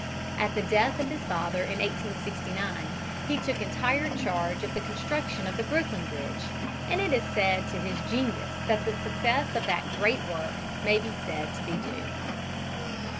At the death of his father in 1869 he took entire charge of the construction of the Brooklyn Bridge, and it is to his genius that the success of that great work may be said to be due.